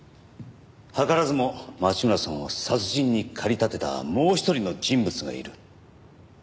図らずも町村さんを殺人に駆り立てたもう一人の人物がいる。